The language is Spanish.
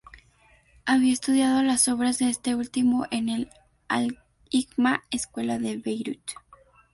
Había estudiado las obras de este último en al-Hikma escuela en Beirut.